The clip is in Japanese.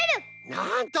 なんと！